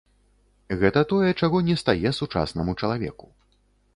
Гэта тое, чаго не стае сучаснаму чалавеку.